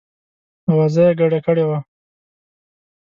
آوازه یې ګډه کړې وه.